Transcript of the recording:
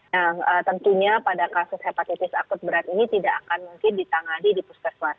yang tentunya pada kasus hepatitis akut berat ini tidak akan mungkin ditangani di puskesmas